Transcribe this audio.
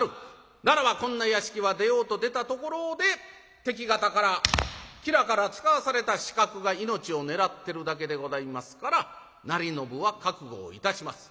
ならばこんな屋敷は出ようと出たところで敵方から吉良から遣わされた刺客が命を狙ってるだけでございますから成信は覚悟をいたします。